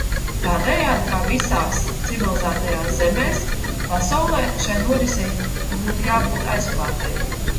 Tādējādi, kā visās civilizētajās zemēs pasaulē, šai norisei būtu jābūt aizklātai.